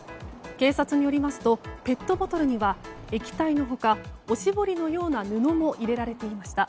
警察によりますとペットボトルには液体の他おしぼりのような布も入れられていました。